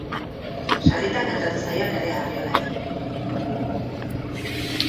Sarritan gertatu zaio Nerea Arriolari.